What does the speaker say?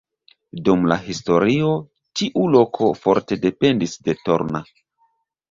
Dum la historio tiu loko forte dependis de Torna.